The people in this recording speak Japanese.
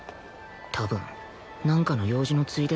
多分なんかの用事のついでだ